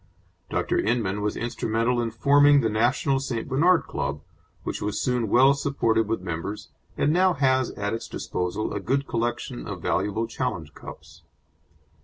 Dr. Inman was instrumental in forming the National St. Bernard Club, which was soon well supported with members, and now has at its disposal a good collection of valuable challenge cups.